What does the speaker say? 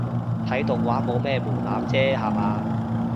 睇動畫冇咩門檻啫吓嘛